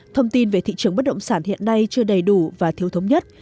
thông tin về thị trường bất động sản hiện nay chưa đầy đủ và thiếu thống nhất